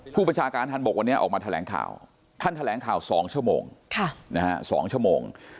ผู้บัญชาการท่านบกวันนี้ออกมาแถลงข่าวท่านแถลงข่าว๒ชั่วโมง๒ชั่วโมง